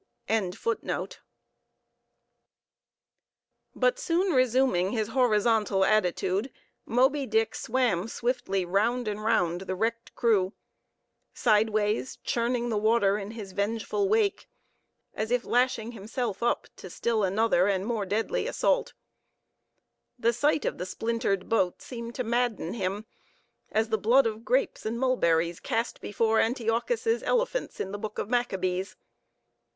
] But soon resuming his horizontal attitude, Moby Dick swam swiftly round and round the wrecked crew, sideways, churning the water in his vengeful wake, as if lashing himself up to still another and more deadly assault. The sight of the splintered boat seemed to madden him, as the blood of grapes and mulberries cast before Antiochus's elephants in the book of Maccabees.